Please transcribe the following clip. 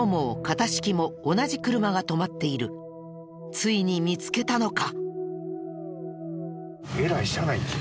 ついに見つけたのか？